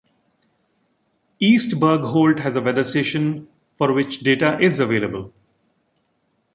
East Bergholt has a weather station for which data is available.